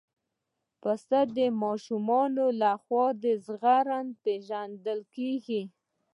پسه د ماشومانو لخوا زغرده پېژندل کېږي.